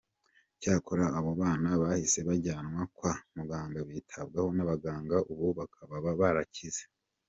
Cyakora abo bana bahise bajyanwa kwa muganga bitabwaho n’abaganga, ubu bakaba barakize.